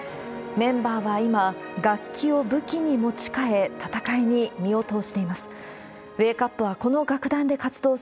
メンバーは今、楽器を武器に持ち替え、戦いに身を投じています。